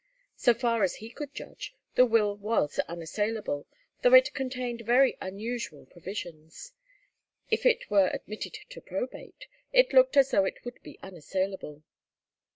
So far as he could judge, the will was unassailable, though it contained very unusual provisions. If it were admitted to probate, it looked as though it would be unassailable.